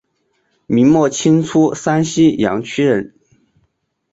明末清初山西阳曲人。